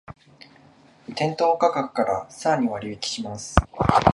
店頭価格からさらに割引します